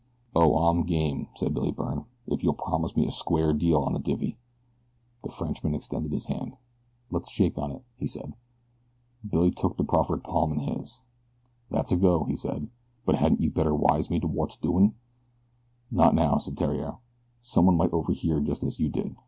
"Oh, I'm game," said Billy Byrne, "if you'll promise me a square deal on the divvy." The Frenchman extended his hand. "Let's shake on it," he said. Billy took the proffered palm in his. "That's a go," he said; "but hadn't you better wise me to wot's doin'?" "Not now," said Theriere, "someone might overhear just as you did.